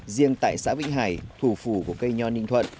riêng tại xã vĩnh hải thủ phủ của cây nho ninh thuận